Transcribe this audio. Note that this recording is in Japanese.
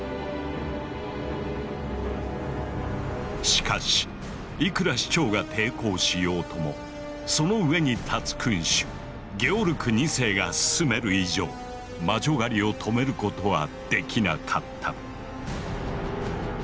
しかしいくら市長が抵抗しようともその上に立つ君主ゲオルク２世が進める以上魔女狩りを止めることはできなかった。